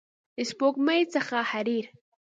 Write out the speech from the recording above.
د سپوږمۍ څخه حریر